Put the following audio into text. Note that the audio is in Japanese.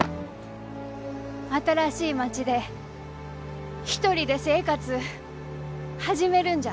新しい町で一人で生活う始めるんじゃ。